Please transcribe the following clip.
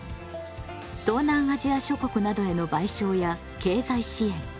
東南アジア諸国などへの賠償や経済支援